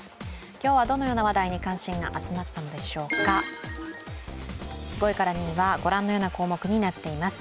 今日はどのような話題に関心が集まったのでしょうか５位から２位はご覧のような項目になっています。